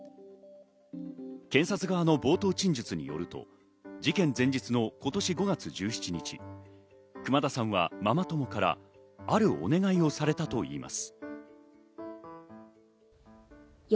検察側の冒頭陳述によると、事件前日の今年５月１７日、熊田さんはママ友からあるお願いをされたといいます。